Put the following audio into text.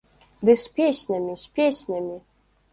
Ды з песнямі, з песнямі!